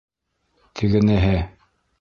Тегенеһе: